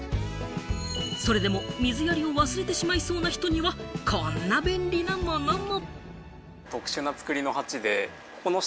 それでも水やりを忘れてしまいそうな人には、こんな便利なものも。